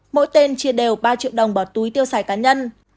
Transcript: mỗi tên chia đều ba triệu đồng bỏ túi tiêu xài cá nhân